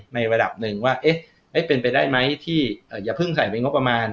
ในระดับหนึ่งว่าเป็นไปได้ไหมที่อย่าเพิ่งใส่ไปงบประมาณ